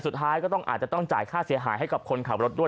สุดท้ายก็ต้องอาจจะต้องจ่ายค่าเสียหายให้กับคนขับรถด้วย